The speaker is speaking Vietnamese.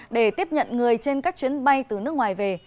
để tiếp nhận người trên các chuyến bay từ nước ngoài về